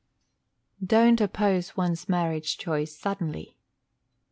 _Don't oppose one's marriage choice suddenly.